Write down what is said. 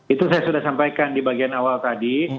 itu saya sudah sampaikan di bagian awal tadi